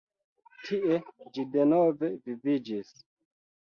Tie ĝi denove viviĝis.